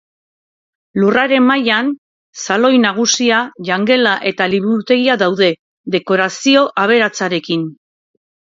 Lurraren mailan, saloi nagusia, jangela eta liburutegia daude, dekorazio aberatsarekin.